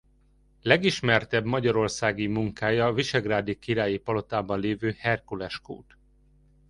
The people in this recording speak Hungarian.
Legismertebb magyarországi munkája visegrádi királyi palotában lévő Herkules-kút.